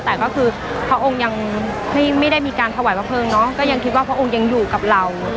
แต่ก็คือพระองค์ยังไม่ได้มีการถวายพระเพลิงเนาะก็ยังคิดว่าพระองค์ยังอยู่กับเรา